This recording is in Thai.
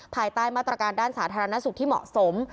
ภายใต้มาตรการด้านสาธารณสุขที่เหมาะสม